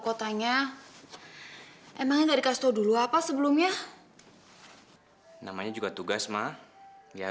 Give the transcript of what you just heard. kokotanya emang enggak dikasih tahu dulu apa sebelumnya namanya juga tugas mah ya